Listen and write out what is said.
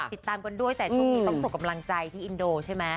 ติดตามกันด้วยแต่ช่วงนี้ต้องส่งกำลังใจที่อินโดใช่ไหม